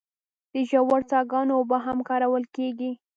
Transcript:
د ژورو څاګانو اوبه هم کارول کیږي.